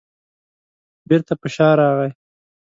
بېرته په شا راغی.